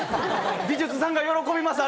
美術さんが喜びます！